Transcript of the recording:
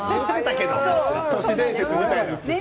都市伝説みたいな。